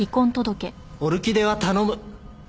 オルキデは頼む。